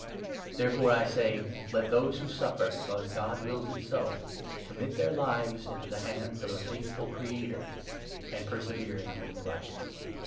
' Therefore, I say, let those who 19 suffer, because God wills it so, commit their lives into the hands of a faithful Creator, and persevere in doing right.